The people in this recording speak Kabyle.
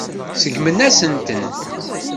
Seggmen-asent-ten.